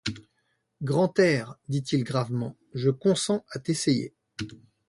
Grantaire, dit-il gravement, je consens à t'essayer.